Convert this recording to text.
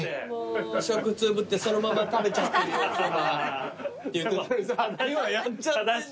「食通ぶってそのまま食べちゃってるよおそば」って言ってたのにさ